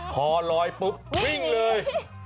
คอลอยปุ๊บวิ่งเลย